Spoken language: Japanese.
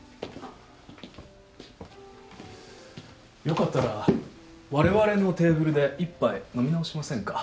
よかったらわれわれのテーブルで一杯飲み直しませんか？